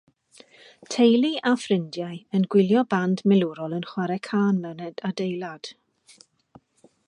Teulu a ffrindiau yn gwylio band milwrol yn chwarae cân mewn adeilad